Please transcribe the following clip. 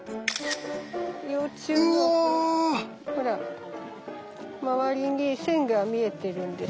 幼虫のほら周りに線が見えてるんですよ。